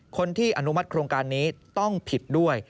คนที่อนุมัติโครงการนี้ต้องผิดด้วย